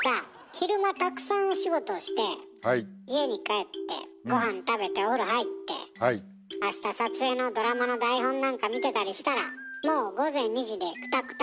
昼間たくさんお仕事をして家に帰って御飯食べてお風呂入って明日撮影のドラマの台本なんか見てたりしたらもう午前２時でクタクタ。